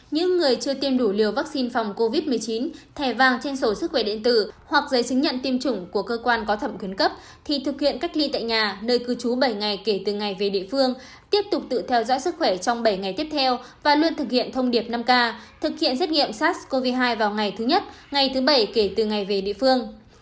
những người chưa tiêm đủ liều vaccine phòng covid một mươi chín thẻ vàng trên sổ sức khỏe đến từ hoặc giấy chứng nhận tiêm chủng của cơ quan có thẩm quyền cấp thì thực hiện cách ly tại nhà nơi cư trú bảy ngày kể từ ngày về địa phương tiếp tục tự theo dõi sức khỏe trong bảy ngày tiếp theo và luôn thực hiện thông điệp năm k thực hiện xét nghiệm sars cov hai vào ngày thứ nhất ngày thứ bảy kể từ ngày về địa phương